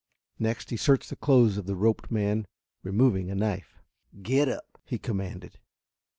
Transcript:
Next he searched the clothes of the roped man, removing a knife. "Get up!" he commanded.